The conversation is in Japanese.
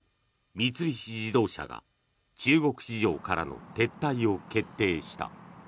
昨日、三菱自動車が中国市場からの撤退を決定した。